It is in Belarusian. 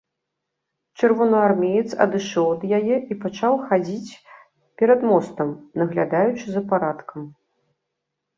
Чырвонаармеец адышоў ад яе і пачаў хадзіць перад мостам, наглядаючы за парадкам.